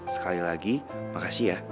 sekali lagi makasih ya